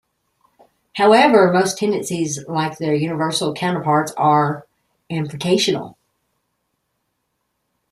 However, most tendencies, like their universal counterparts, are implicational.